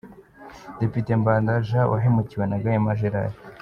Depite Mbanda Jean wahemukiwe na Gahima Gerard